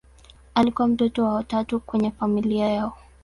Alikuwa mtoto wa tatu kwenye familia yao.